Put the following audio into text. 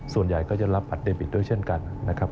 ส่วนใหญ่ก็จะรับบัตรเดบิตด้วยเช่นกันนะครับ